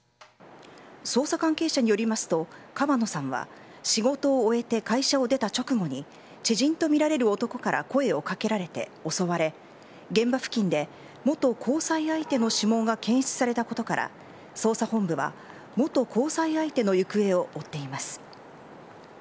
捜査関係者によりますと川野さんは仕事を終えて会社を出た直後に知人とみられる男から声を掛けられて襲われ現場付近で元交際相手の指紋が検出されたことから捜査本部は元交際相手の行方を追っています。